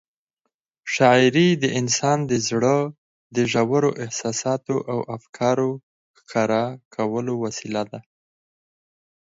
شاعري د انسان د زړه د ژورو احساساتو او افکارو ښکاره کولو وسیله ده.